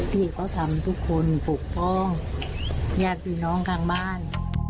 ที่เขาทำทุกคนปกป้องญาติพี่น้องทางบ้าน